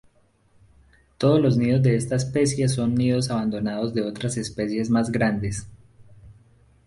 Todos los nidos de esta especie son nidos abandonados de otras especies más grandes.